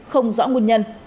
không rõ nguồn nhân